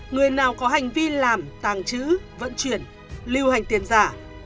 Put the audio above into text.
người nào có hành vi làm tàng trữ vận chuyển lưu hành tiền giả